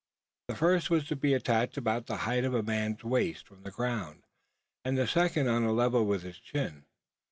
The first was to be attached about the height of a man's waist from the ground; and the second on a level with his chin.